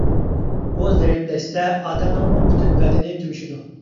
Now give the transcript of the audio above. ئۇ زەئىپلەشسە ئادەمنىڭمۇ پۈتۈن بەدىنى تۈگىشىدۇ.